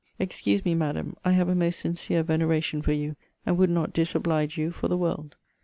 Excuse me, Madam, I have a most sincere veneration for you; and would not disoblige you for the world.